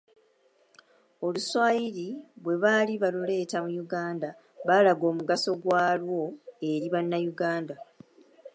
Oluswayiri bwe baali baluleeta mu Uganda baalaga omugaso gwalwo eri Bannayuganda.